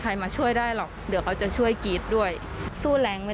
ความโหโชคดีมากที่วันนั้นไม่ถูกในไอซ์แล้วเธอเคยสัมผัสมาแล้วว่าค